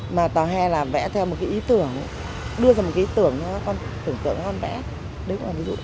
mà tòa hè là vẽ theo một cái ý tưởng đưa ra một cái ý tưởng cho con tưởng tượng con vẽ